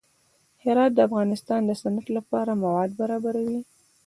هرات د افغانستان د صنعت لپاره مواد برابروي.